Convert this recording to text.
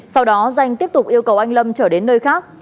sau đó danh tiếp tục yêu cầu anh lâm trở đến nơi khác